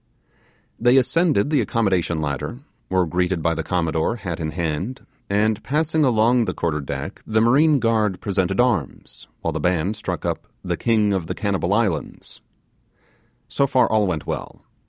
They ascended the accommodation ladder, were greeted by the Commodore, hat in hand, and passing along the quarter deck, the marine guard presented arms, while the band struck up 'The King of the Cannibal Islands'. So far all went well.